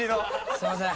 すみません。